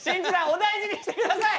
お大事にしてください！